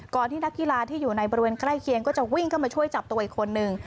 ที่นักกีฬาที่อยู่ในบริเวณใกล้เคียงก็จะวิ่งเข้ามาช่วยจับตัวอีกคนนึง